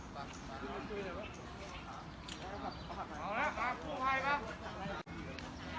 สุดท้ายมีกินออกมาหลายประวัติศาสตร์